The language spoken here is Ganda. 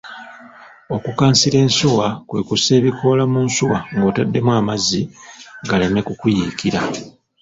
Okukansira ensuwa kwe kussa ebikoola mu nsuwa ng’otaddemu amazzi galeme ku kuyiikira.